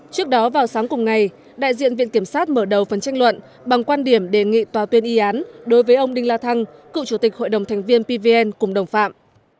trước đó vào sáng cùng ngày đại diện viện kiểm sát mở đầu phần tranh luận bằng quan điểm đề nghị tòa tuyên y án đối với ông đinh la thăng cựu chủ tịch hội đồng thành viên pvn cùng đồng phạm